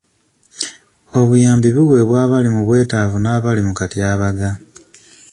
Obuyambi buweebwa abali mu bwetaavu n' abali mu katyabaga.